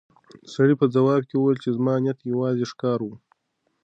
سړي په ځواب کې وویل چې زما نیت یوازې ښکار و.